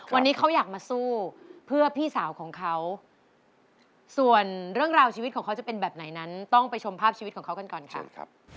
วันนี้เขาอยากมาสู้เพื่อพี่สาวของเขาส่วนเรื่องราวชีวิตของเขาจะเป็นแบบไหนนั้นต้องไปชมภาพชีวิตของเขากันก่อนค่ะ